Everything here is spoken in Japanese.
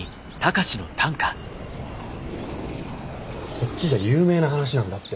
こっちじゃ有名な話なんだって。